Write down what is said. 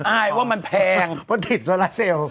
อายว่ามันแพงเพราะติดโซลาเซล